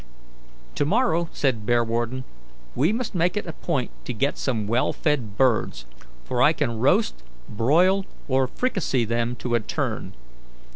"To morrow," said Bearwarden, "we must make it a point to get some well fed birds; for I can roast, broil, or fricassee them to a turn.